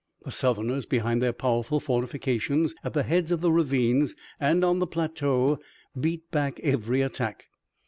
The Southerners, behind their powerful fortifications at the heads of the ravines and on the plateau, beat back every attack.